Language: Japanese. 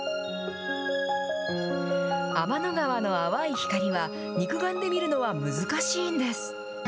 天の川の淡い光は、肉眼で見るのは難しいんです。